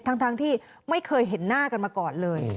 ทั้งที่ไม่เคยเห็นหน้ากันมาก่อนเลย